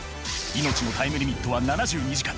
命のタイムリミットは７２時間。